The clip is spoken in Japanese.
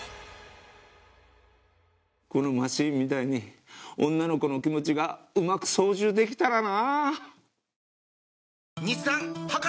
このマシンみたいに女の子の気持ちがうまく操縦できたらな！